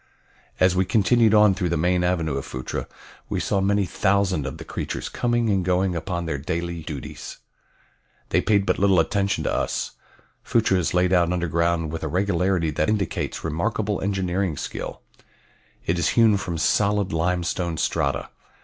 As we continued on through the main avenue of Phutra we saw many thousand of the creatures coming and going upon their daily duties. They paid but little attention to us. Phutra is laid out underground with a regularity that indicates remarkable engineering skill. It is hewn from solid limestone strata.